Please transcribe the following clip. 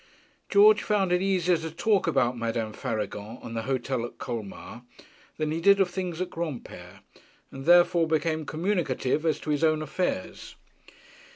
George found it easier to talk about Madame Faragon and the hotel at Colmar than he did of things at Granpere, and therefore became communicative as to his own affairs.